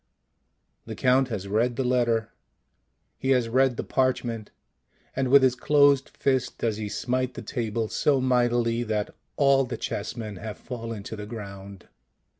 The Count has read the letter, he has read the parchment, and with his closed fist does he smite the table so mightily that all the chessmen have fallen to the ground.